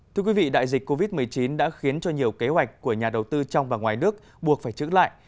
thưa quý vị đại dịch covid một mươi chín đã khiến cho nhiều kế hoạch của nhà đầu tư trong và ngoài nước buộc phải trứng lại